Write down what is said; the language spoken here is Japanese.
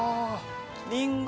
りんご。